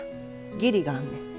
義理があんねん。